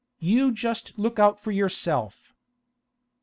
You just look out for yourself!